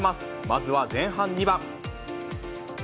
まずは前半２番。